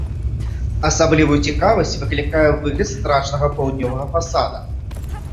Асаблівую цікавасць выклікае выгляд страчанага паўднёвага фасада.